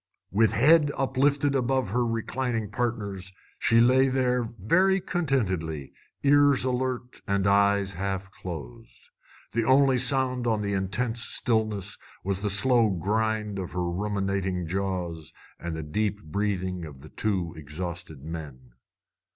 With head uplifted above her reclining partners, she lay there very contentedly, ears alert and eyes half closed. The only sound on the intense stillness was the slow grind of her ruminating jaws and the deep breathing of the two exhausted men.